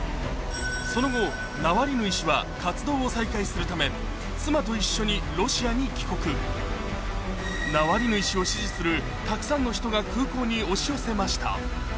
その後ナワリヌイ氏は活動を再開するためナワリヌイ氏を支持するたくさんの人が空港に押し寄せました